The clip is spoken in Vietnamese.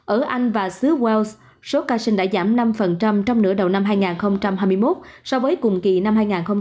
ở anh và xứ wells số ca sinh đã giảm năm trong nửa đầu năm hai nghìn hai mươi một so với cùng kỳ năm hai nghìn hai mươi hai